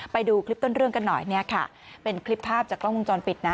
ไปดูคลิปต้นเรื่องกันหน่อยเนี่ยค่ะเป็นคลิปภาพจากกล้องวงจรปิดนะ